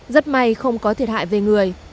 rất may không có thiệt hại về người